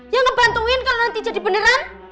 ya ngebantuin kalau nanti jadi beneran